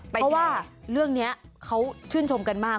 เพราะว่าเรื่องนี้เขาชื่นชมกันมาก